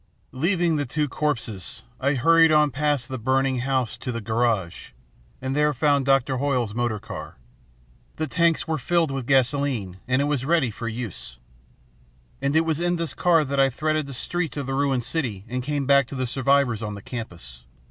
"Leaving the two corpses, I hurried on past the burning house to the garage, and there found Doctor Hoyle's motor car. The tanks were filled with gasoline, and it was ready for use. And it was in this car that I threaded the streets of the ruined city and came back to the survivors on the campus.